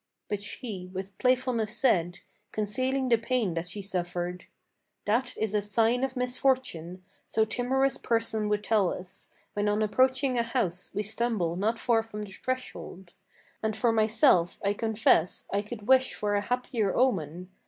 But she with playfulness said, concealing the pain that she suffered: "That is a sign of misfortune, so timorous persons would tell us, When on approaching a house we stumble not far from the threshold; And for myself, I confess, I could wish for a happier omen.